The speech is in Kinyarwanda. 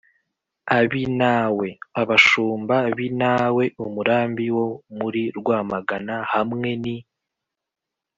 . Ab’i Nawe: Abashumba b’i Nawe (umurambi wo muri Rwamagana, hamwe n’i